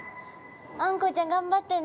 あんこうちゃん頑張ってね。